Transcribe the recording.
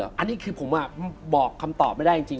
อันนี้คือผมบอกคำตอบไม่ได้จริง